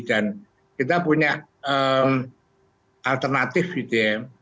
dan kita punya alternatif gitu ya